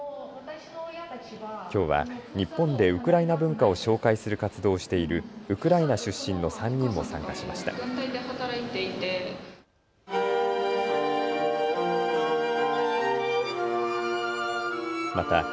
きょうは日本でウクライナ文化を紹介する活動をしているウクライナ出身の３人も参加しました。